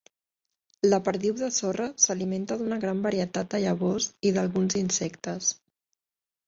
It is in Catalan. La perdiu de sorra s'alimenta d'una gran varietat de llavors i d'alguns insectes.